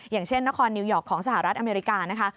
อย่างเช่นนครนิวยอร์กของสหรัฐอเมริกานะคะ